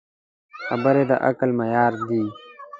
خبرې د عقل معیار دي.